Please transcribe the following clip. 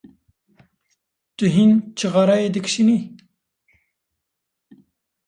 Tu hîn çixareyê dikişînî?